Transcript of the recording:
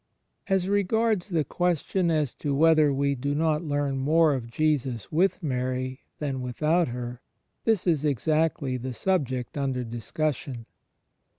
As regards the question as to whether we do not learn more of Jesus with Mary than without her, this is exactly the subject imder discussion.